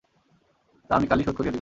তা আমি কালই শোধ করিয়া দিব।